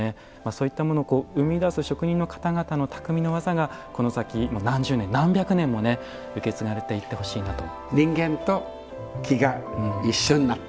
そういったものを生み出す職人の方々の匠の技が、何十年何百年も受け継がれていってほしいなと。